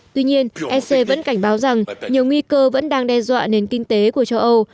tuy nhiên ec vẫn cảnh báo rằng nhiều nguy cơ vẫn đang đe dọa nền kinh tế của châu âu